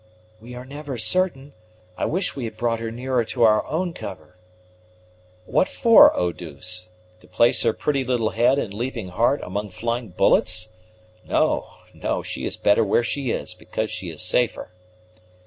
"We are never certain. I wish we had brought her nearer to our own cover!" "What for, Eau douce? To place her pretty little head and leaping heart among flying bullets? No, no: she is better where she is, because she is safer."